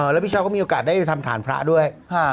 แล้วพี่เช้าก็มีโอกาสได้ทำฐานพระด้วย